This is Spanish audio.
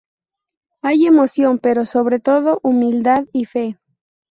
Hay emoción pero, sobre todo, humildad y fe.